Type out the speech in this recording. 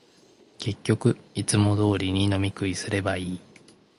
結局、いつも通りに飲み食いすればいい